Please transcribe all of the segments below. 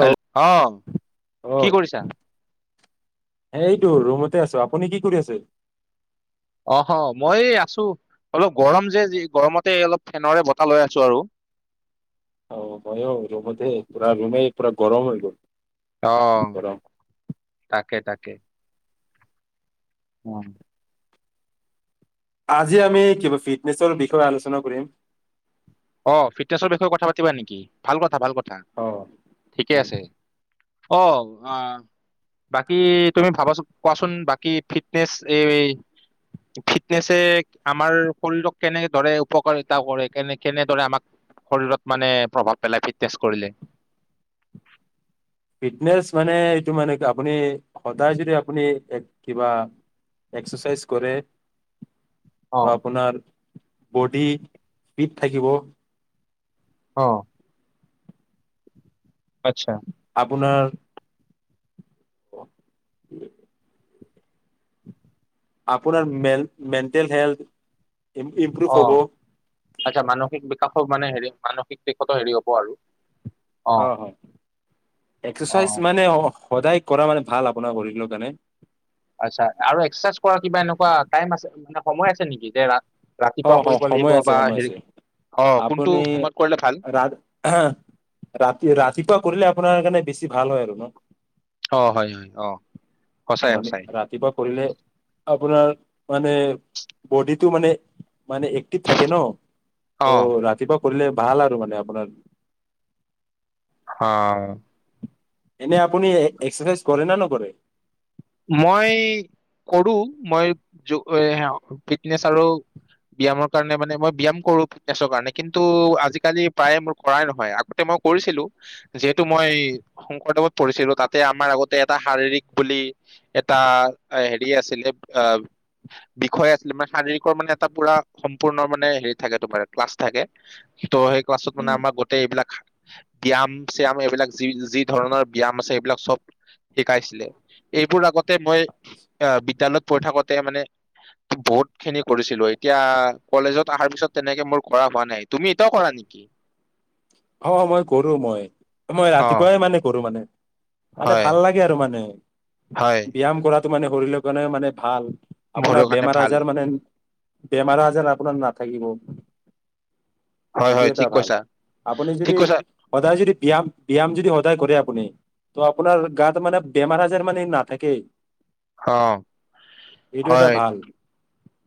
Hello অ কি কৰিছা হ এইটো ৰুমতে আছো আপুনি কি কৰি আছে অ হ মই আছো অলপ গৰম যে গৰমতে অলপ ফেনৰে বতাহ লৈ আছো আৰু অ মই ৰৰুমতেে পৰা ৰুমে পৰা গৰম হৈ গল অ গৰম তাকে তাকে কে উম আজি আমি কিবা ফিটনেছৰ বিষয়ে আলোচনা কৰিম অ ফিটনেছৰ বিষয়ে কথা পাতিবা নেকি ভাল কথা ভাল কথা অ ঠিকে আছে। অ আহ বাকী তুমি ভাবা কোৱাচোন বাকী ফিটনেচ এই ফিটনেছে আমাৰ শৰীৰক কেনেকে ধৰে উপকাৰিতা কৰে কেনে কেনেদৰে আমাক শৰীৰত মানে প্ৰভাৱ পেলাই ফিটনেছ কৰিলে ফিটনেছ মানে এইটো মানে আপুনি সদায় যদি আপুনি কিবা এক্সাৰচাইজ কৰে ত অ' আপোনাৰ বডি ফিট থাকিব অ আচ্ছা আপোনাৰ অ আপোনাৰ মেন মেণ্টেল হেল্থ ইম্প্ৰুভ অ হ'ব আচ্ছা মানসিক বিকাশো মানে হেৰি মানসিক দিশতো হেৰি হ'ব আৰু অ হয় এক্সাৰচাইজ অ মানে অ সদায় কৰা মানে ভাল আপোনাৰ বিভিন্ন ধৰণে আচ্ছা আৰু এক্সাৰচাইজ কৰা কিবা এনেকুৱা টাইম আছে মানে সময় আছে নেকি যে ৰা অ ৰাতিপুৱা অ কৰিব লাগিব সময় আছে বা সময় হেৰি আছে অ কোনটো আপুনি সময়ত কৰিলে ভাল ৰা ৰাতি ৰাতিপুৱা কৰিলে আপোনাৰ মনে বেছি ভাল হয় আৰু ন অ হয় হয় অ সঁচায় মৰ্ণিং সঁচায় ৰাতিপুৱা কৰিলে আপোনাৰ মানে বডিটো মানে মানে একটিত থাকে ন অ ত' ৰাতিপুৱা কৰিলে ভাল আৰু মানে আপোনাৰ হ এনে আপুনি এক্সাৰচাইজ কৰে নে নকৰে মই কৰো মই ফিটনেছ আৰু ব্যায়ামৰ কাৰণে মানে মই ব্যায়াম কৰো ফিটনেছৰ কাৰণে কিন্তু আজিকালি প্ৰায়ে মোৰ কৰাই নহয় আগতে মই কৰিছিলো যিহেতু মই শংকৰদেৱত পঢ়িছিলো তাতে আমাৰ আগতে এটা শাৰীৰিক বুলি এটা হেৰি আছিলে বিষয় আছিলে মানে শাৰীৰিকৰ মানে এটা পুৰা সম্পূৰ্ণ মানে হেৰি থাকে তোমাৰ ক্লাছ থাকে। ত' সেই ক্লছত উম, মানেমাৰ গোটেই এইবাক ব্য্য়ায়াম চয়াম এইবিলাক যি যি ধৰণৰ ব্য্য়ায়াম আছে সবিলাক চব শিকাইছিলে এইবোৰ আগ মই অ বিদ্যালয়ত পঢ়ি থাকোতে মানে বহুত খিনি কৰিছিলো এতিয়া কলেজত অহাৰ পিছত তেনেকে মোৰ কৰা হোৱা নাই তুমি এতিয়াও কৰা নেকি। অ মই কৰো মই মই অ ৰাতিপুৱাই মানে কৰো মানে। মানে হয় ভাল লাগে আৰু মানে। হয় ব্যায়াম কৰা। মানে শৰিৰৰ কাৰণে মানে ভাল। ভৰিৰ আপোনাৰ কাৰণে বেমাৰ ভাল আজাৰ মানে। বেমাৰ আ যেন আপোনাৰ নাথাকিব হয় এইটো হয় এটা ঠিক ভাল। কৈছা আপুনি ঠিক যদি কৈছা সদায় যদি ব্যায়াম ব্যায়াম যদি সদায় কৰে আপুনি ত আপোনাৰ গাত মানে বেমাৰ আজাৰ মানে নাথাকেই। অ এইটো এটা হয় ভাল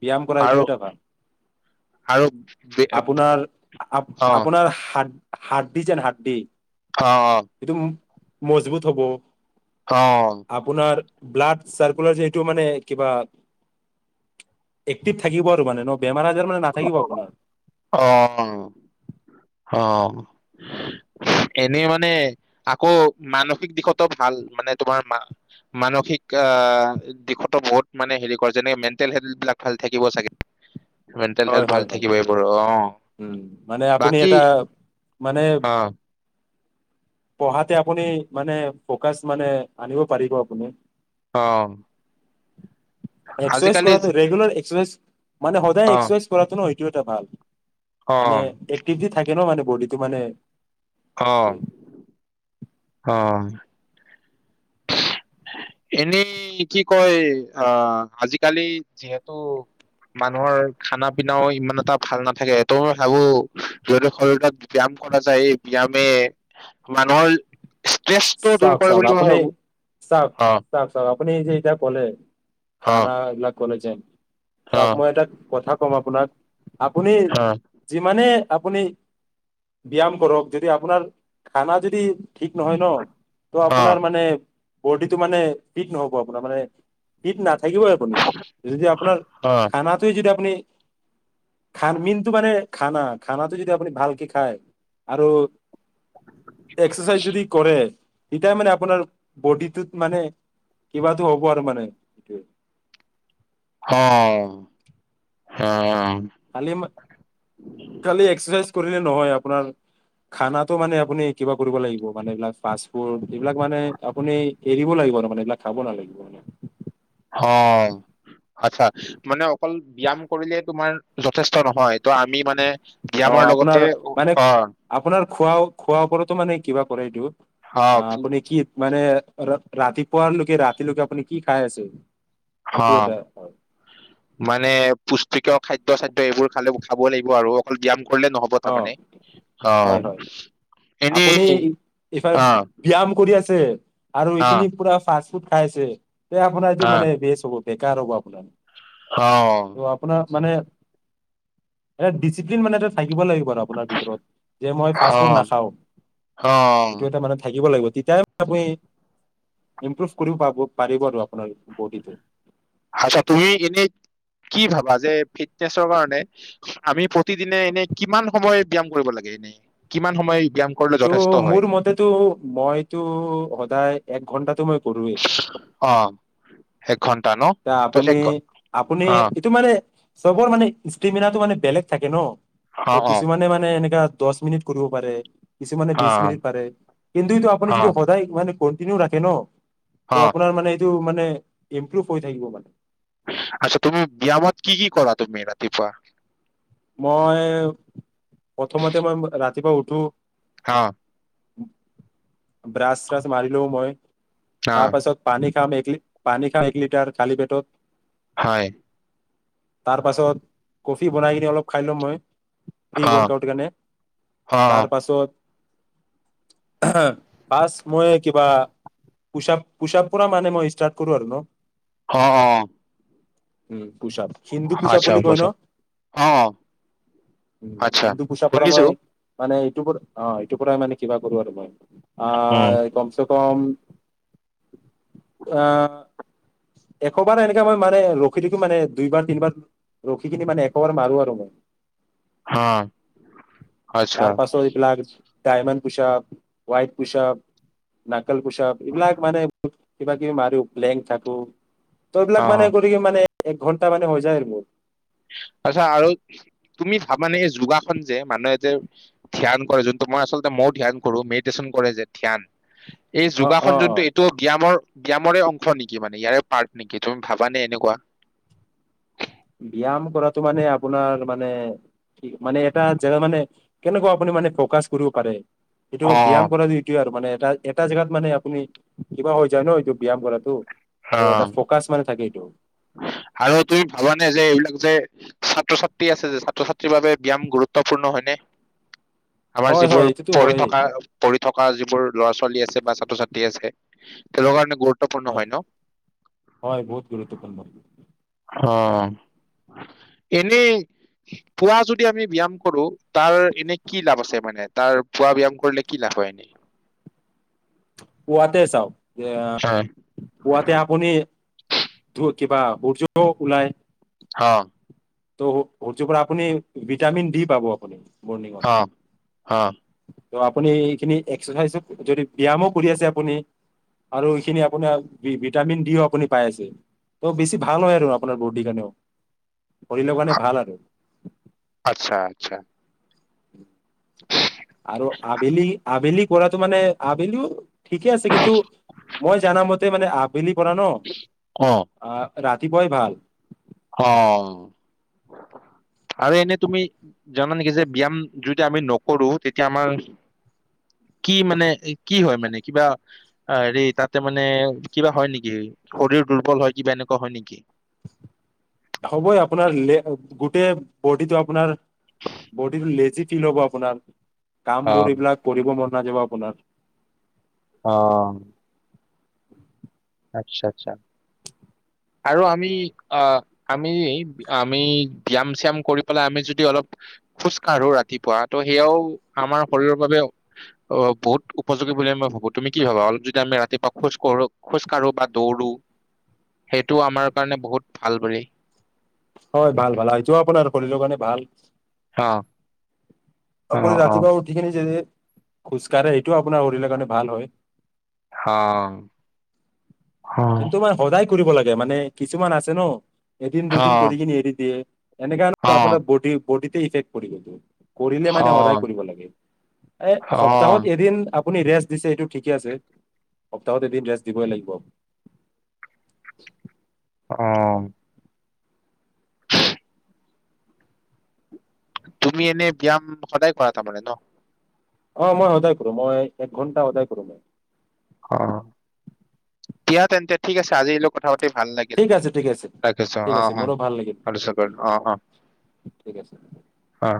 ব্যায়াম কৰা এইটো আৰু এটা ভাল। আৰু অ হাডি যে হাডি অ মজবুত হ'ব অ অ আপোনাৰ ব্লাড চাৰ্কুলাৰ এইটো মানে, কিবা একটিপ থাকিব আৰু মানে ন বেম আজাৰ মানে নাথাকিব আপোনাৰ অ অ [unintelligible] এনে মানে আকৌ মানসিক দিশতো ভাল মানে, তোমাৰ মানসিক আহ দিশতো বহুত মানে হেৰি কৰে, যেনেক মেণ্টেল হেল বিলাক ভাল থাকিব চাগে। মেণ্টেল হেল হয় ভাল হয় হয় থাকিব এইবোৰ অ। উম মানে আপুনি বাকী এটা মানে অ পঢ়াতে আপুনি মানে ফকাচ মানে আনিব পাৰিব আপুনি। অ। এক্সাৰাইজ আজিকালি কৰাটো ৰেগুলাৰ এক্সাৰাইজ মানে অ [unintelligible] কৰাটো নহয় [unintelligible] ভাল অ মান একটিটি থাক ক ন মানে বডিটো মানে অ। অ। এনেই কি কয় আহ, আজিকালি যিহেতু মানুহৰ খানা পিনাও ইমান এটা ভাল নাথাকে এইটো ভাবো, যদি শৰীৰত ব্যায়াম কৰা যায় এই ব্যায়ামে মানুহৰ ষ্ট্ৰেছ টো দূৰ চাওক কৰে চাওক বুলি মই আপুনি ভাবো। চাওক অ', চাওক চাওক আপুনি যে এতিয়া ক'লে অ', খানা ল কলে যে তাক অ', মই এটা কথা কম আপোনাক আপুনি অ', অ', যিমানে আপুনি ব্যায়াম কৰক যদি আপোনাৰ খানা যদি ঠিক নহয় ন ত' অ'। আপোনাৰ মানে বডীটো মানে ফিট নহ'ব আপোনাৰ মানে ফিট না থাকিবই আপুনি যদি আপোনাৰ অ'। খানাটোই যদি আপুনি খান মিনটোটো মানে খানা খানাটো যদি আপুনি ভালকে খায়, আৰু এক্সাৰচাইজ যদি কৰে। তেতিয়াই মানে আপোনাৰ, বডিটোত মানে কিবাটো হ'ব আৰু মানে। অ অ। কালি ম কালি এক্সপ্ৰেছ কৰিলে নহয় আপোনাৰ, খানাটো মানে আপুনি কিবা কৰিব লাগিব মানে, এই বিলাক ফাৰ্ষ্ট ফুড যিবিলাক মানে আপুনি এৰিব লাগিব ন মানে এইবিলাক খাব নালাগিব মানে অ আচ্ছা মানে অকল ব্যয়াম কৰিলে তোমাৰ যথেষ্ট নহয় তো আমি মানে অ ব্যায়ামৰ লগতে আপোনাৰ মানে অ', আপোনাৰ খোৱা খোৱাৰ ওপৰতো মানে কিবা কৰেই দিও অ আপুনি কি মানে ৰাতিপুৱাৰ লৈকে ৰাতিলৈকে আপুনি কি খাই আছে অ এইটো এটা হয় মানে পুষ্টিকৰ খাদ্য চাদ্য এইবোৰ খালে খাব লাগিব আৰু অকল ব্যায়াম কৰিলে নহ'ব অ তাৰমানে অ হয় হয় এনেই আপুনি এইফাল অ', ব্যায়াম কৰি আছে আৰু এইখিনি অ', পুৰা ফাষ্ট- ফুড খাইছে এ আপোনাৰ এইটো অ', মানে বেছ হ'ব বেকাৰ হব আপোনাৰ অ ত' আপোনাৰ মানে এটা ডিচিপ্লিন মানে এটা থাকিব লাগিব আপোনাৰ ভিতৰত যে মই ফাষ্ট ফুড অ'। নাখাও অ থাকিব লাগিব তেতিয় আপুনি ইম্প্ৰুভ কৰিব পাব পাৰিব আৰু আপোনাৰ বডিটো আচ্ছা তুমি এনে কি ভাবা যে ফিটনেচৰ কাৰণে আমি প্ৰতিদিনে এনে কিমান সময় ব্যায়াম কৰিব লাগে এনে কিমান সময় ব্যায়াম কৰিলে এইটো যথেষ্ট হয় মোৰ মতেটো মইতো সদায় এক ঘন্টাতো মই অ এক ঘন্টা ন এ ত আপুনি এক ঘ- আপুনি অ এইটো মানে চবৰ মানে ষ্টেমিনাটো মানে বেলেগ থাকে ন ত' অ অ কিছুমানে মানে এনেকা দছ মিনিট কৰিব পাৰে কিছুমানে অ বিশ মিনিট পাৰে কিন্তুটো আপুনি অ যদি সদায় মানে কনটিনিউ ৰাখে ন তো অ আপোনাৰ মানে তো মানে ইম্প্ৰুভ হৈ থাকিব মানে আচ্ছা তুমি ব্যায়ামত কি কি কৰা তুমি ৰাতিপুৱা মই প্ৰথমতে মই ৰাতিপুৱা উঠো হা উম ব্ৰাচ চ্ৰাছ মাৰি লও মই অ তাৰ পাছত পানী খাম এক পানী খাওঁ এক লিটাৰ খালী পেটত। হয়। তাৰ পাছত কফি বনাই কিনি অলপ খাই লো মই। প্ৰি অ ৱৰ্কআউট কাৰণে, অ তাৰ পাছত হ। বাছ মই কিবা পোচাপ পোচাপ পৰা মানে মই ষ্টাৰ্ট কৰো আৰু ন। অ অ। উম। পোচাপ হিন্দু পোচাপ আচ্ছা বুলি হ'ব কয় ন। ছাৰ অ উম আচ্ছা হিন্দু পোচাক পৰা শুনিছো মই মানে সেইটো অ ইটোৰ পৰাই মানে কিবা কৰো আৰু মই। অ উম কমছে কম, অ এশবাৰ এনেকাে মই মানে ৰখি থাকো মানে দুইবাৰ তিনিবাৰ ৰখি কিনি মানে এশবাৰ মাৰো আ সময় অ আচ্ছা তাৰ পাছ প লাগ ডায়মণ্ড পোচাপ, হোৱাইট পোচাপ, নাকেল কোচাপ এইবিলাক মানে কিবা কিবি মাৰো লেংক থাকোঁ। তইবিলাক অ মানে কৰি মানে এক ঘণ্টা মানে হৈ যায় মোৰ। তাৰপিছত আৰু, তুমি ভাবানে মানে এই যোগাখনন যে মানুহে যে ধ্যান কৰে যোনটো মই আচলতে মই ধ্যান কৰো মেডিটেচন কৰে যে ধ্যান। এই অ অ যোগাসন অ যোনটো এইটো ব্যায়ামৰ। ব্যায়ামৰে অংশ নেকি মানে ইয়াৰে পাৰ্ট নেকি, তুমি ভাবানে এনেকুৱা? ব্যায়াম কৰাটো মানে আপোনাৰ মানে, মানে এটা জেগা মানে কেনেকুৱা আপুনি মানে ফকাচ কৰিব পাৰে। সেইটো অ ব্যায়াম কৰাটো এইটোৱে আৰু মানে এ এটা জোগাত মানে আপুনি, কিবা হৈ যায় ন এইটো ব্যায়াম কৰাটো অ, ত' এটা ফ'কাচ মানে থাকে এইটো আৰু তুমি ভবা যে এইবিলাক যে, ছাত্ৰ ছাত্ৰী আছে যে ছাত্ৰ ছাত্ৰীৰ বাবে ব্যায়াম গুৰুত্বপূৰ্ণ হয়নে? আমাৰ হয় হয় যিবোৰ এইটোতো পঢ়ি হয়েই থকা পঢ়ি থকা যিবোৰ ল'ৰা ছোৱালী আছে বা ছাত্ৰ ছাত্ৰী আছে, তেওঁলোকৰ কাৰণে গুৰুত গুৰুত্বপূৰ্ণ হয় ন। হয় বহুত গুৰুত্বপূৰ্ণ। অ, এনেই, পুৱা যদি আমি ব্যায়াম কৰো, তাৰ এনে কি লাভ আছে মানে, তাৰ পুৱা ব্যায়াম কৰিলে কি লাভ হয় এনেই পোৱাতে চাও যে পোৱাতে আপুনি ধ কিবা বৰ্য ওলাই অ ত' অটি পৰা আপুনি ভিটামিন দি পাব আপুনি। মৰ্ণিঙতে অহ অহ ত' আপুনি এইখিনি এক্সাৰচাইজো যদি ব্যায়ামো কৰি আছে আপুনি আৰু এইখিনি আপোনাৰ ভিটামিন ডিও আপুনি পাই আছে ত' বেছি ভাল হয় আৰু আপোনাৰ বডিৰ কাৰণেও। কৰিলে মানে ভাল আৰু। আচ্ছা আচ্ছা উম। পৰাটো মানে আবেলিয়ো। ঠিকে আছে কিন্তু মই জানা মতে মানে। বেলি পৰা ন অ আ। ৰাতিপুৱাই ভাল। অ আৰু এনেই তুমি জানা নেকি যে ব্যায়াম যদি আমি নকৰোঁ তেতিয়া আমাৰ কি মানে কি হয়। মানে কিবা হেৰি তাতে মানে কিবা হয়। নেকি শৰীৰ দুৰ্বল হয় কিবা এনেকুৱা হয় নেকি? হ'বই আপোনাৰ গোটেই বডীটো আপোনাৰ বডীটো লেজি ফিল হ'ব আপোনাৰ। কাম অ বোৰ এইবিলাক কৰিব মন নাযাব। আপোনাৰ অ। আচ্ছা আচ্ছা আৰু আমি আমি আমি ব্যয়ায়াম চ্যায়াম কৰি। পেলাই আমি যদি অলপ খোজ কাঢ়ো ৰাতিপুৱা ত' সেয়াও আমাৰ শৰীৰৰ বাবে অ বহুত উপযোগী বুলি মই ভাবোঁ তুমি কি ভাবা। অলপ যদি আমি ৰাতিপুৱা খোজ কঢ়ো। খোজ কাঢ়ো বা দৌৰো সেইটো আমাৰ কাৰণে বহুত ভাল বোৰে। হয় ভাল ভাল সেইটো আপোনাৰ শৰীৰৰ কাৰণে ভাল। অহ। আপুনি ৰাতিপুৱা উঠি কেনি যদি। খোজকাঢ়ে এইটোও আপোনাৰ শৰীৰৰ কাৰণে ভাল হয়। হা কিন্তু মানে সদায় কৰিব লাগে। লাগে মানে কিছুমান আছে ন। এদিন অ অ দুদিন কৰি কিনে এৰি দিয়ে। এনেকা হ'লে অ আপোনাৰ বদি। বডিতে ইফেক্ পৰিব। কৰিলে অ মানে সদায় কৰিব লাগে। এ অ সপ্তাহত এদিন। আপুনি ৰেষ্ট দিছে এইটো ঠিকে আছে সপ্তাহত এদিন ৰেষ্ট দিবই লাগিব। [inaudible] অ। তুমি এনে ব্যায়াম সদায় কৰা তামানে ন। অ মই সদায় কৰোঁ মই এক ঘণ্টা সদায় কৰোঁ মই। অ দিয়া তেন্তে ঠিক আছে আজিলোঁ কথা পা- ভাল লাগিল ঠিক আছে ঠিক আছে ৰাখিছোঁ ঠিক অ আছে অ মোৰো ভাল লাগিল আৰু উম, অ অ ঠিক আছে অ।